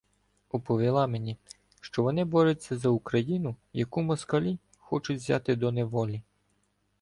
Оповіла мені, що вони борються за Україну, яку москалі "хочуть взяти до неволі".